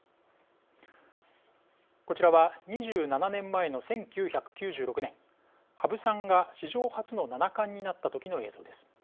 こちらは２７年前の１９９６年羽生さんが史上初の七冠になった時の映像です。